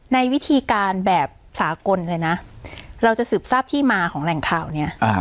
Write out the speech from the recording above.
ในวิธีการแบบสากลเลยนะเราจะสืบทราบที่มาของแหล่งข่าวเนี่ย